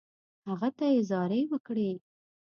هغه ته یې زارۍ وکړې.